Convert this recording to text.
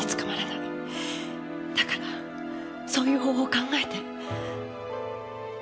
だからそういう方法を考えて。